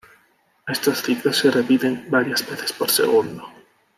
Estos ciclos se repiten varias veces por segundo.